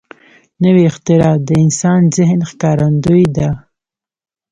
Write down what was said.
نوې اختراع د انسان ذهن ښکارندوی ده